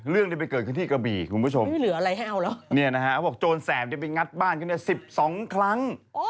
เรื่องได้ไปเกิดขึ้นที่กระบี่คุณผู้ชมเนี่ยนะฮะบอกโจรแสบจะไปงัดบ้านขึ้นเนี่ย๑๒ครั้ง